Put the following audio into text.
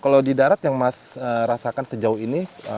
kalau di darat yang mas rasakan sejauh ini